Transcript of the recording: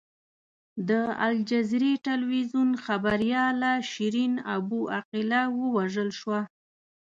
د الجزیرې ټلویزیون خبریاله شیرین ابو عقیله ووژل شوه.